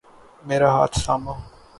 میرا ہاتھ تھامو۔